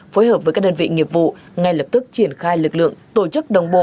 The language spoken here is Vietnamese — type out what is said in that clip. phối hợp với các đơn vị nghiệp vụ ngay lập tức triển khai lực lượng tổ chức đồng bộ